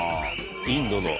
インドの。